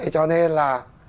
cho nên là